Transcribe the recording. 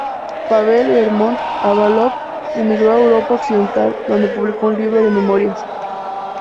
Pável Bermondt-Aválov emigró a Europa Occidental, donde publicó un libro de memorias.